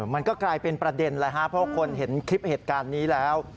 มันก็กลายเป็นประเด็นเลยครับเพราะคนเห็นคลิปเหตุการณ์นี้แล้ว